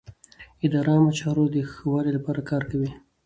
اداره د عامه چارو د ښه والي لپاره کار کوي.